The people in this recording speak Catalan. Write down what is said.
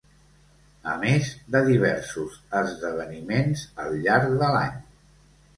A més de diversos esdeveniments al llarg de l'any.